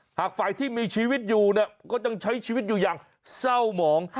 หากฝ่ายที่มีชีวิตอยู่เนี่ยก็ต้องใช้ชีวิตอยู่อย่างเศร้าหมอง